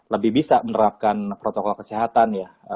lebih bisa menerapkan protokol kesehatan ya